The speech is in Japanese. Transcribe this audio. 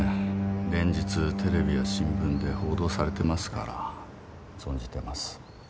連日テレビや新聞で報道されてますから存じてます。